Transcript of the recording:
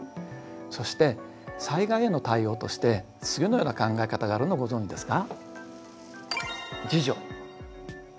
そして災害への対応として次のような考え方があるのをご存じですか？